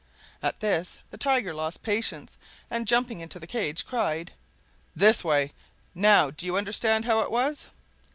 At this the Tiger lost patience, and, jumping into the cage, cried, "This way! Now do you understand how it was?"